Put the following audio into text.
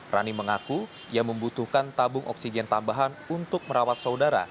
rani mengaku ia membutuhkan tabung oksigen tambahan untuk merawat saudara